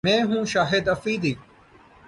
میں ہوں شاہد افریدی